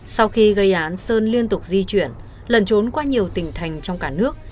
sau khi gây án sơn liên tục di chuyển lẩn trốn qua nhiều tỉnh thành trong cả nước